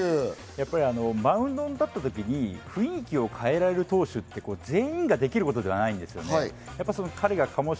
やっぱりマウンドに立ったときに雰囲気を変えられる投手って全員ができることじゃないんですね。